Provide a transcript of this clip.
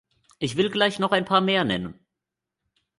Ich will gleich noch ein paar mehr nennen.